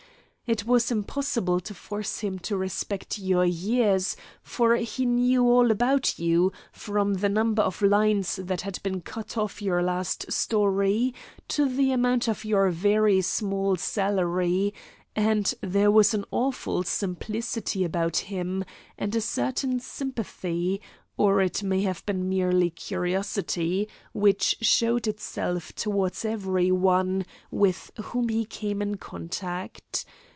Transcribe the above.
It was impossible to force him to respect your years, for he knew all about you, from the number of lines that had been cut off your last story to the amount of your very small salary; and there was an awful simplicity about him, and a certain sympathy, or it may have been merely curiosity, which showed itself towards every one with whom he came in contact.